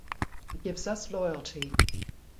He gives us loyalty.